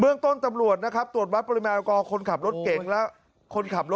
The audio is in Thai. เมืองต้นทำลวดนะครับตรวจบัตรปริมโลกร